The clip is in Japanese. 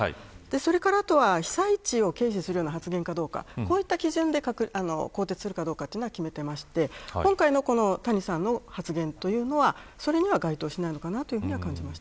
それから被災地を軽視するような発言かどうかこういった基準で、更迭するかどうか決めてまして今回の谷さんの発言というのはそれには該当しないのかなと感じます。